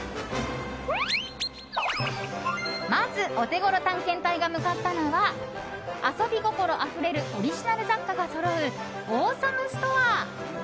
まず、オテゴロ探検隊が向かったのは遊び心あふれるオリジナル雑貨がそろうオーサムストア。